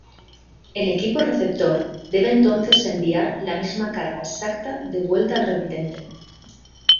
El equipo receptor debe entonces enviar la misma carga exacta de vuelta al remitente.